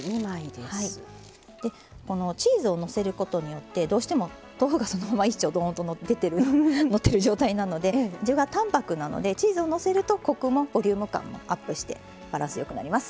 このチーズをのせることによってどうしても豆腐がそのまま１丁ドーンとのってる状態なので味が淡泊なのでチーズをのせるとコクもボリューム感もアップしてバランスよくなります。